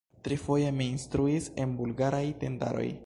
Trifoje mi instruis en Bulgaraj tendaroj.